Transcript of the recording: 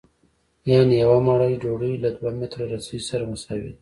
یانې یوه مړۍ ډوډۍ له دوه متره رسۍ سره مساوي ده